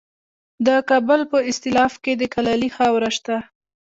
د کابل په استالف کې د کلالي خاوره شته.